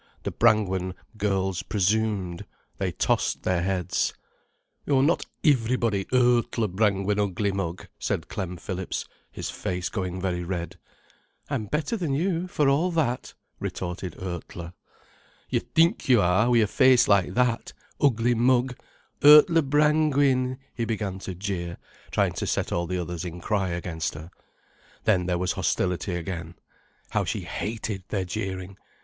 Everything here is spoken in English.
The Brangwen girls presumed, they tossed their heads. "You're not ivrybody, Urtler Brangwin, ugly mug," said Clem Phillips, his face going very red. "I'm better than you, for all that," retorted Urtler. "You think you are—wi' a face like that—Ugly Mug,—Urtler Brangwin," he began to jeer, trying to set all the others in cry against her. Then there was hostility again. How she hated their jeering.